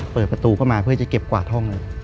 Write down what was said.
เปิดประตูเข้ามาเพื่อจะเก็บกวาดห้องเลย